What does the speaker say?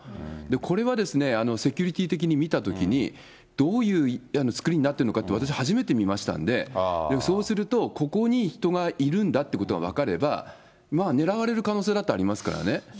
これはですね、セキュリティー的に見たときに、どういう造りになってるのかって、私、初めて見ましたんで、そうすると、ここに人がいるんだってことが分かれば、まあ、狙われる可能性だってありますからね。